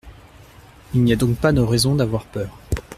Il n’y a donc pas de raison d’avoir peur.